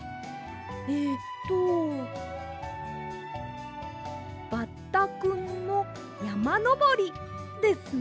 えっと「バッタくんのやまのぼり」ですね。